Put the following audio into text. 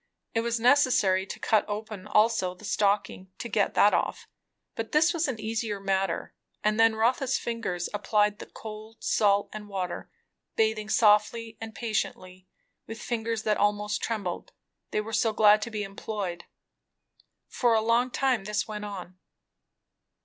It was necessary to cut open also the stocking, to get that off, but this was an easier matter; and then Rotha's fingers applied the cold salt and water, bathing softly and patiently, with fingers that almost trembled, they were so glad to be employed. For a long time this went on.